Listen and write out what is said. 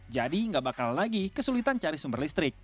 jadi nggak bakal lagi kesulitan cari sumber listrik